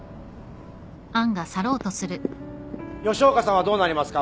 吉岡さんはどうなりますか？